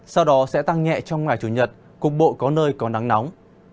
sau đó sẽ tăng nhẹ trong ngày chủ nhật cục bộ có nơi có nắng nóng